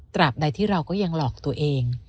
บใดที่เราก็ยังหลอกตัวเอง